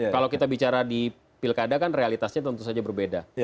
kalau kita bicara di pilkada kan realitasnya tentu saja berbeda